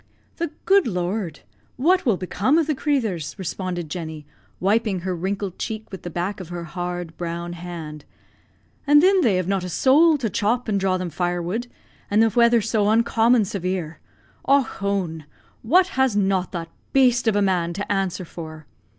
"The good Lord! What will become of the crathurs?" responded Jenny, wiping her wrinkled cheek with the back of her hard, brown hand. "An' thin they have not a sowl to chop and draw them firewood; an' the weather so oncommon savare. Och, hone! what has not that baste of a man to answer for?"